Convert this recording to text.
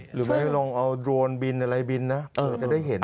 หรือไม่ลองเอาโดรนบินอะไรบินนะมันจะได้เห็น